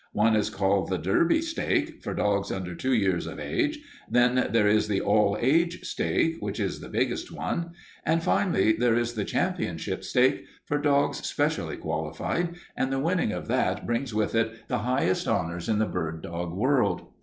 One is called the Derby stake, for dogs under two years of age. Then there is the All Age stake, which is the biggest one. Finally there is the Championship stake, for dogs specially qualified, and the winning of that brings with it the highest honors in the bird dog world.